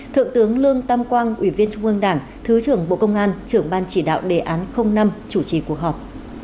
thượng tướng lương tam quang ủy viên trung ương đảng thứ trưởng bộ công an trưởng ban chỉ đạo đề án năm chủ trì cuộc họp